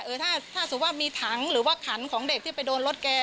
ถ้าถ้าสมมุติว่ามีถังหรือว่าขันของเด็กที่ไปโดนรถแก